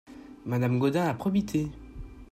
Madame Gaudin La probité !